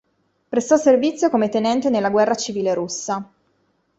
Prestò servizio come tenente nella guerra civile russa.